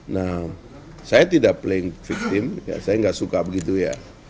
nah saya tidak playing victim saya nggak suka begitu ya